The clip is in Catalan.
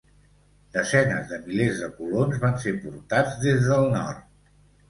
Desenes de milers de colons van ser portats des del nord.